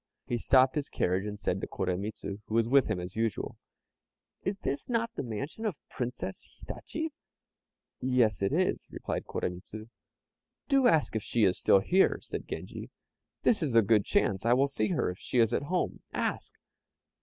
He stopped his carriage, and said to Koremitz, who was with him as usual "Is this not the mansion of the Princess Hitachi?" "Yes, it is," replied Koremitz. "Do ask if she is still here," said Genji; "this is a good chance; I will see her if she is at home ask!"